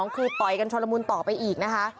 คือต่อยกันชนละมุนต่อไปอีกนะคะ